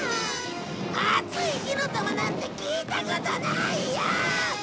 熱い火の玉なんて聞いたことないよ！